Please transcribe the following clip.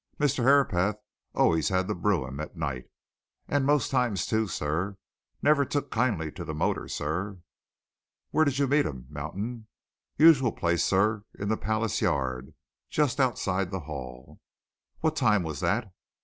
"Mr. Herapath always had the brougham at night and most times, too, sir. Never took kindly to the motor, sir." "Where did you meet him, Mountain?" "Usual place, sir in Palace Yard just outside the Hall." "What time was that?"